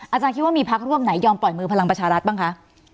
อาจารย์คิดว่ามีพักร่วมไหนยอมปล่อยมือพลังประชารัฐบ้างคะ